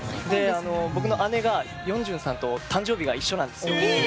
僕の姉がヨンジュンさんと誕生日が一緒なんです。